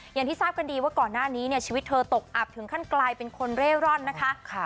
อย่างที่ทราบกันดีว่าก่อนหน้านี้เนี่ยชีวิตเธอตกอับถึงขั้นกลายเป็นคนเร่ร่อนนะคะ